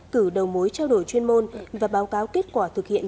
cử đầu mối trao đổi chuyên môn và báo cáo kết quả thực hiện